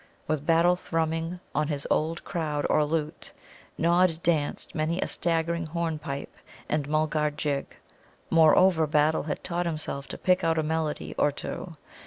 With Battle thrumming on this old crowd or lute, Nod danced many a staggering hornpipe and Mulgar jig. Moreover, Battle had taught himself to pick out a melody or two.